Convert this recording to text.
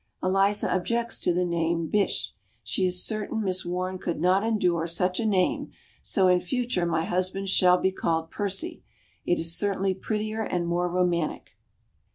Eliza objects to the name Bysshe. She is certain Miss Warne could not endure such a name, so in future my husband shall be called Percy. It is certainly prettier and more romantic.